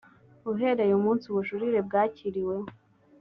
uhereye umunsi ubujurire bwakiriweho